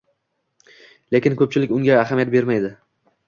Lekin ko‘pchilik unga ahamiyat bermaydi.